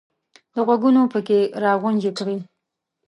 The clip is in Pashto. د غوږونو پکې یې را غونجې کړې !